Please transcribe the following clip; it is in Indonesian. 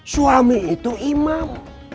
suami itu imam